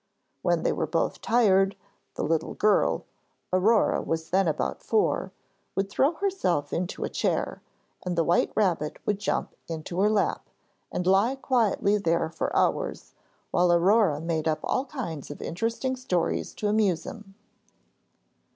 When they were both tired, the little girl Aurore was then about four would throw herself into a chair, and the white rabbit would jump into her lap, and lie quietly there for hours, while Aurore made up all kinds of interesting stories to amuse him.